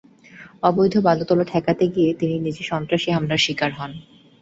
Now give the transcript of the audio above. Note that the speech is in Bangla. অবৈধ বালু তোলা ঠেকাতে গিয়ে তিনি নিজে সন্ত্রাসী হামলার শিকার হন।